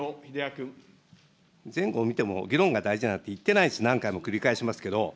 前後を見ても、議論が大事だなんて言ってないです、何回も繰り返しますけど。